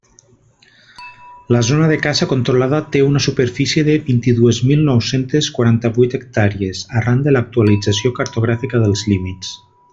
La zona de caça controlada té una superfície de vint-i-dues mil nou-centes quaranta-vuit hectàrees, arran de l'actualització cartogràfica dels límits.